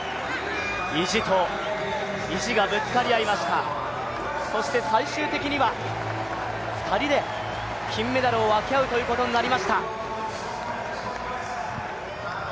意地と意地がぶつかり合いました、そして最終的には２人で金メダルを分け合うということになりました。